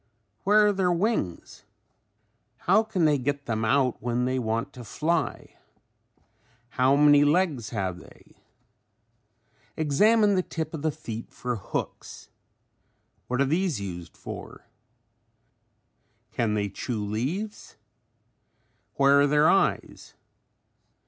Where are their wings? How can they get them out when they want to fly? How many legs have they? Examine the tip of the feet for hooks. What are these used for? Can they chew leaves? Where are their eyes?